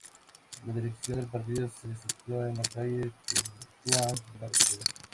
La dirección del partido se sitúa en la Calle Tetuán de la localidad.